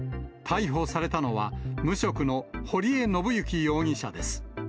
逮捕されたのは、無職の堀江のぶゆき容疑者です。